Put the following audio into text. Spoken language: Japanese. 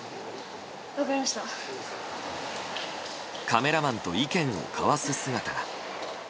カメラマンと意見を交わす姿が。